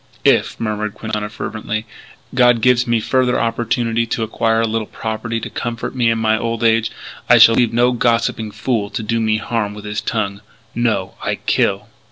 "If," murmured Quintana fervently, "God gives me further opportunity to acquire a little property to comfort me in my old age, I shall leave no gossiping fool to do me harm with his tongue. No! I kill.